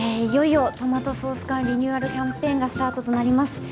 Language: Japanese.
いよいよトマトソース缶リニューアルキャンペーンがスタートとなります